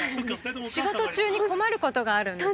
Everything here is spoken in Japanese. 仕事中に困ることがあるんです。